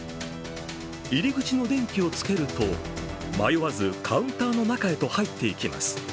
入り口の電気を付けると迷わずカウンターの中へ入っていきます。